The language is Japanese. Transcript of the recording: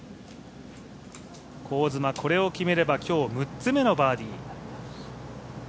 香妻、これを決めれば今日６つ目のバーディー。